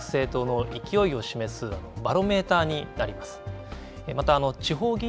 選挙結果は各政党の勢いを示すバロメーターになります。